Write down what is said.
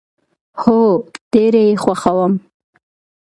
هو، ډیر یی خوښوم